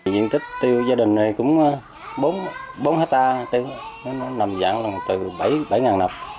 diện tích tiêu gia đình này cũng bốn hectare nằm dạng từ bảy ngàn nập